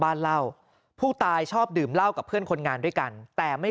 บ้านเหล้าผู้ตายชอบดื่มเหล้ากับเพื่อนคนงานด้วยกันแต่ไม่